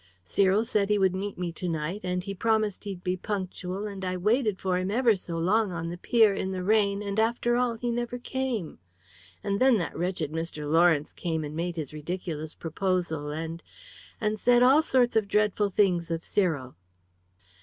Cyril said he would meet me tonight, and promised he'd be punctual, and I waited for him, ever so long, on the pier, in the rain, and after all he never came. And then that wretched Mr. Lawrence came and made his ridiculous proposal, and and said all sorts of dreadful things of Cyril!"